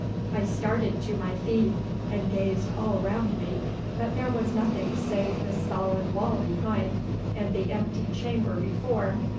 I started to my feet and gazed all round me, but there was nothing save the solid wall behind and the empty chamber before.